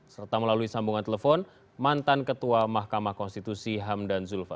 serta melalui sambungan telepon mantan ketua mahkamah konstitusi hamdan zulfa